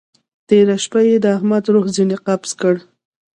تېره شپه يې د احمد روح ځينې قبض کړه.